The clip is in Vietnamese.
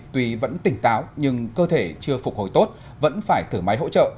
tuy vẫn tỉnh táo nhưng cơ thể chưa phục hồi tốt vẫn phải thử máy hỗ trợ